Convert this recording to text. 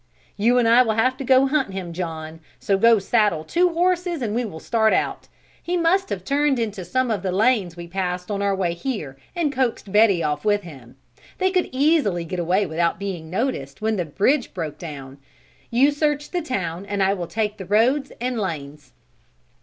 "You and I will have to go hunt him, John, so go saddle two horses and we will start out. He must have turned into some of the lanes we passed on our way here, and coaxed Betty off with him. They could easily get away without being noticed when the bridge broke down. You search the town and I will take the road and lanes."